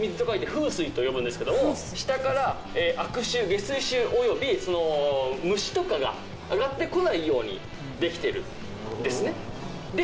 封じる水と書いて封水と呼ぶんですけど、下から悪臭、下水臭、虫とかが上がってこないようにできているんですね。